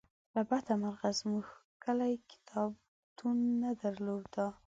له بده مرغه زمونږ کلي کتابتون نه درلوده